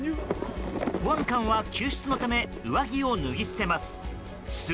保安官は救出のため上着を脱ぎ捨てます。